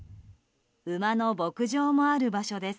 馬の牧場もある場所です。